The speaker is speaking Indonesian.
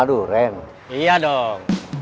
pluginnya di serum